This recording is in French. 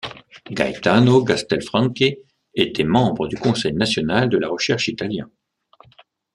Gaetano Castelfranchi était membre du Conseil National de la Recherche italien.